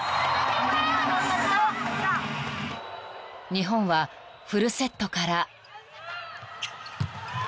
［日本はフルセットから］